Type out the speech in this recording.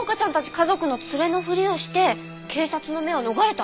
家族の連れのふりをして警察の目を逃れた？